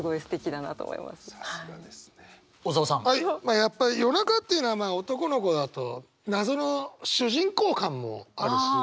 やっぱり夜中っていうのはまあ男の子だと謎の主人公感もあるし。